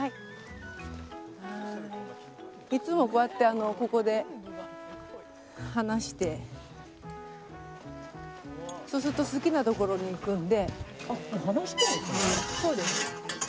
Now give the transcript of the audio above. いつもこうやってここで放してそうすると好きなところに行くので。